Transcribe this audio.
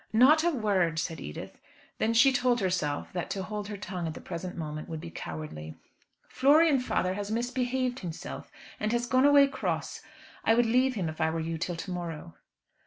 "Not a word," said Edith. Then she told herself that to hold her tongue at the present moment would be cowardly. "Florian, father, has misbehaved himself, and has gone away cross. I would leave him, if I were you, till to morrow."